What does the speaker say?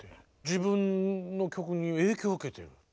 自分の曲に影響を受けていると。